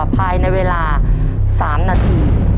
ภายในเวลา๓นาที